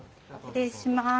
失礼します。